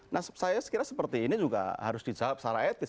nah saya kira seperti ini juga harus dijawab secara etis